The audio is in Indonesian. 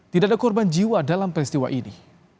tidak ada korban jiwa dalam peristiwa ini